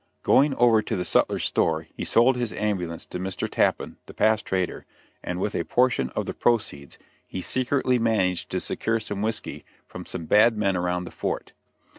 Going over to the sutler's store he sold his ambulance to Mr. Tappan the past trader, and with a portion of the proceeds he secretly managed to secure some whisky from some bad men around the fort.